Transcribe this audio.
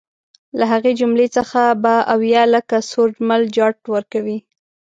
له هغې جملې څخه به اویا لکه سورج مل جاټ ورکوي.